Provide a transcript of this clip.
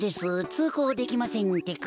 つうこうできませんってか。